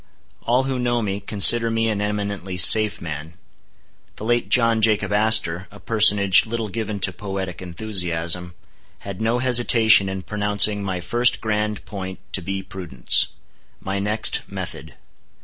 All who know me, consider me an eminently safe man. The late John Jacob Astor, a personage little given to poetic enthusiasm, had no hesitation in pronouncing my first grand point to be prudence; my next, method.